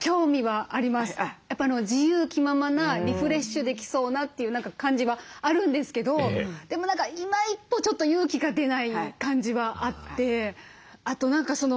やっぱ自由気ままなリフレッシュできそうなっていう何か感じはあるんですけどでも何か今一歩ちょっと勇気が出ない感じはあって。